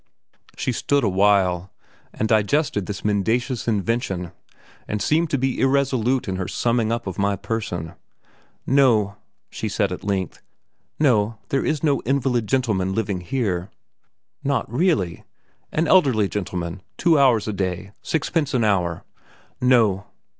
She stood awhile and digested this mendacious invention and seemed to be irresolute in her summing up of my person. "No!" she said at length; "no, there is no invalid gentleman living here." "Not really? An elderly gentleman two hours a day sixpence an hour?" "No!"